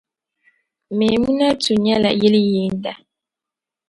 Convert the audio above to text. Memunatu nyɛla yili yiinda .